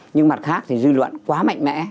nhưng mặt khác thì dư luận quá mạnh mẽ